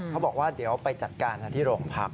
เขาบอกว่าเดี๋ยวไปจัดการกันที่โรงพัก